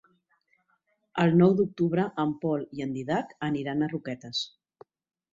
El nou d'octubre en Pol i en Dídac aniran a Roquetes.